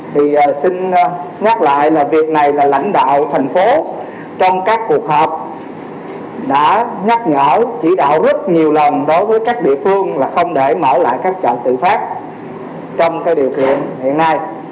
thì xin nhắc lại là việc này là lãnh đạo thành phố trong các cuộc họp đã nhắc nhở chỉ đạo rất nhiều lần đối với các địa phương là không để mở lại các trạm tự phát trong cái điều kiện hiện nay